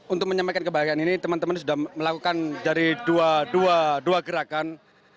untuk menyampaikan kebahagiaan ini teman teman sudah melakukan dari dua gerakan